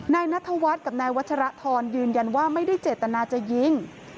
นายนัทวัฒน์กับนายวัชรทรยืนยันว่าไม่ได้เจตนาจะยิง